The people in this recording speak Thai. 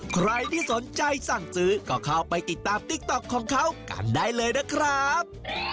ใครที่สนใจสั่งซื้อก็เข้าไปติดตามติ๊กต๊อกของเขากันได้เลยนะครับ